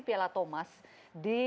piala thomas di